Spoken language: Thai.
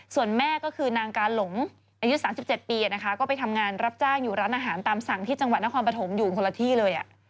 ส่วนแม่ก็คือนางกาหลงอายุ๓๗ปีนะคะก็ไปทำงานรับจ้างอยู่ร้านอาหารตามสั่งที่จังหวัดนครปฐมอยู่คนละที่เลย